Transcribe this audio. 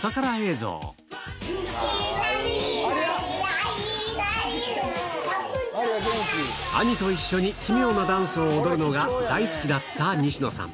左、左、兄と一緒に奇妙なダンスを踊るのが大好きだった西野さん。